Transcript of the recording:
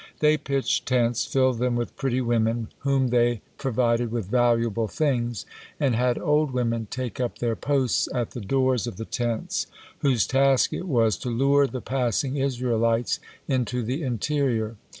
They pitched tents, filled them with pretty women, whom they provided with valuable things, and had old women take up their posts at the doors of the tents, whose task it was to lure the passing Israelites into the interior.